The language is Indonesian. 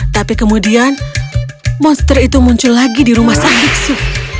tapi kemudian monster itu muncul lagi di rumah sang biksu